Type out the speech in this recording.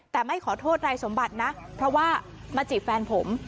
แต่ไม่ขอโทษนายสมบัตินะเพราะว่ามาจีบแฟนผม